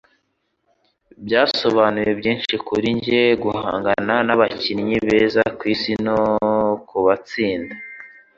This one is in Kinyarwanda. Byasobanuye byinshi kuri njye guhangana nabakinnyi beza kwisi no kubatsinda.